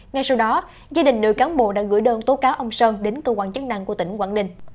ngay sau đó gia đình nữ cán bộ đã gửi đơn tố cáo ông sơn đến cơ quan chức năng của tỉnh quảng ninh